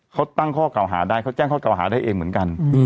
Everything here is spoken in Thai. เขาตั้งข้อเก่าหาได้เขาแจ้งข้อเก่าหาได้เองเหมือนกัน